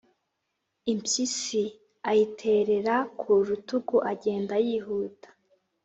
Impyisi, ayiterera ku rutugu agenda yihuta.